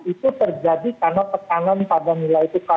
itu terjadi karena petangan pada nilai perusahaan